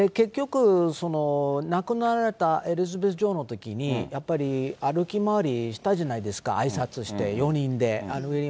結局、亡くなられたエリザベス女王のときにやっぱり歩き回りしたじゃないですか、あいさつして、４人で。